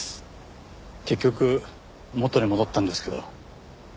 結局元に戻ったんですけど。